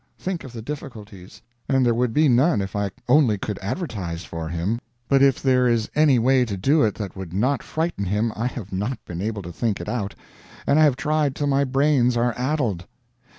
Think of the difficulties! And there would be none if I only could advertise for him. But if there is any way to do it that would not frighten him, I have not been able to think it out, and I have tried till my brains are addled.